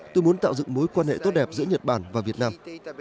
tôi muốn tạo dựng mối quan hệ tốt đẹp giữa nhật bản và việt nam